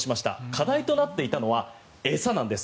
課題となっていたのは餌なんです。